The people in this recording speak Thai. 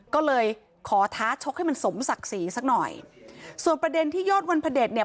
ก็เลยขอท้าชกให้มันสมศักดิ์ศรีสักหน่อยส่วนประเด็นที่ยอดวันพระเด็จเนี่ย